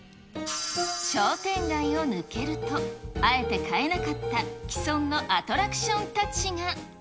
商店街を抜けると、あえて変えなかった既存のアトラクションたちが。